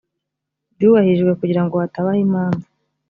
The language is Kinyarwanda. byubahirijwe kugira ngo hatabaho impamvu